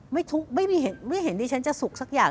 ไม่ทุกข์ไม่เห็นดิฉันจะสุขสักอย่าง